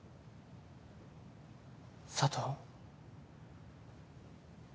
佐都。